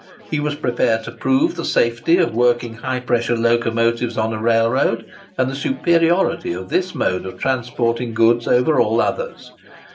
He was prepared to prove the safety of working high pressure locomotives on a railroad, and the superiority of this mode of transporting goods over all others.